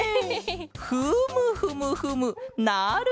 フムフムフムなるケロ！